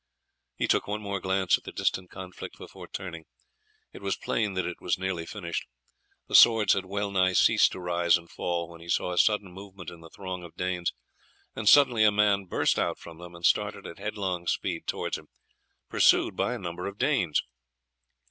He took one more glance at the distant conflict before turning. It was plain that it was nearly finished. The swords had well nigh ceased to rise and fall when he saw a sudden movement in the throng of Danes and suddenly a man burst out from them and started at headlong speed towards him, pursued by a number of Danes.